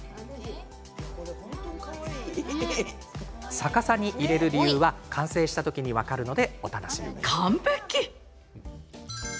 逆さに入れる理由は完成した時に分かるのでお楽しみに。